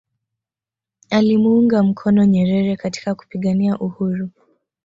alimuunga mkono Nyerere katika kupigania uhuru